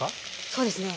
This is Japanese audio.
そうですね。